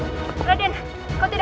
aku harus mengambisimu